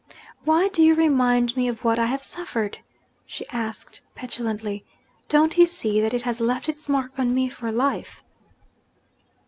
'Why do you remind me of what I have suffered?' she asked petulantly. 'Don't you see that it has left its mark on me for life?'